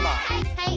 はい。